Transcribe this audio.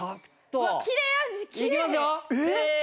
きれいー！